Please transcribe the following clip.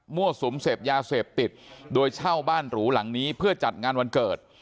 สุมเสพยาเสพติดโดยเช่าบ้านหรูหลังนี้เพื่อจัดงานวันเกิด